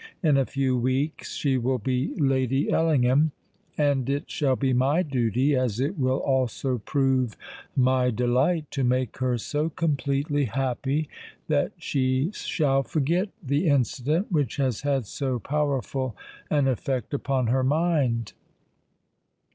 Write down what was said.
In a few weeks she will be Lady Ellingham; and it shall be my duty—as it will also prove my delight—to make her so completely happy that she shall forget the incident which has had so powerful an effect upon her mind."